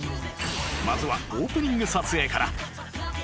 まずはオープニング撮影から